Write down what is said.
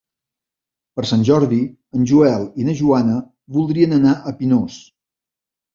Per Sant Jordi en Joel i na Joana voldrien anar a Pinós.